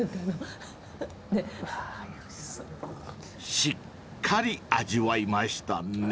［しっかり味わいましたね］